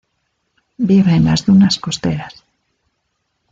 Vive en las dunas costeras.